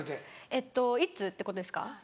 えっといつってことですか？